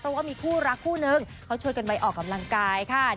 เพราะว่ามีคู่รักคู่หนึ่งเขาชัดการไปออกกำลังกาย